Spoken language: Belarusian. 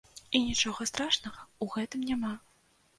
І нічога страшнага ў гэтым няма!